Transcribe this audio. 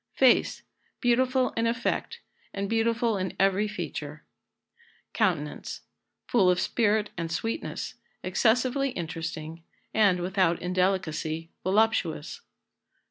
Face. Beautiful in effect, and beautiful in every feature. Countenance. Full of spirit and sweetness; excessively interesting, and, without indelicacy, voluptuous.